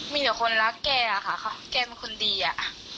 มีแต่คนรักแกอะค่ะแกเป็นคนดีอะ